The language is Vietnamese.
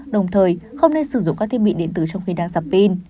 đồng thời không nên sử dụng các thiết bị điện tử trong khi đang dặp pin